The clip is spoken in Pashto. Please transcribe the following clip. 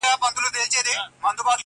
• لښکر د ابوجهل ته به کلي تنها نه وي -